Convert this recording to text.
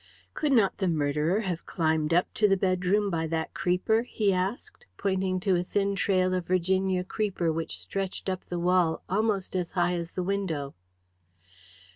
"Could not the murderer have climbed up to the bedroom by that creeper?" he asked, pointing to a thin trail of Virginia creeper which stretched up the wall almost as high as the window.